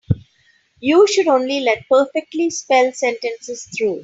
You should only let perfectly spelled sentences through.